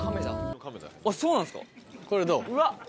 これどう？